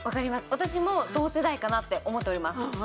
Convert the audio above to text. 私も同世代かなって思っております